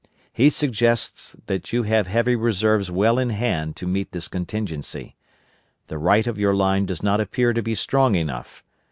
He suggests that you have heavy reserves well in hand to meet this contingency. The right of your line does not appear to be strong enough.